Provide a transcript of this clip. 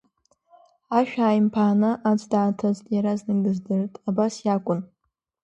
Ашә ааимԥааны аӡә дааҭыҵт, иаразнак дыздырт, Абас иакәын.